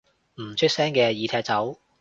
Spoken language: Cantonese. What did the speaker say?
唔出聲嘅已踢走